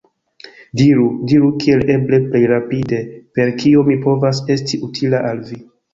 Diru, diru kiel eble plej rapide, per kio mi povas esti utila al vi!